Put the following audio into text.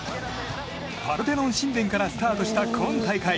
パルテノン神殿からスタートした今大会。